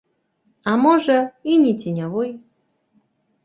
А можа, і не ценявой.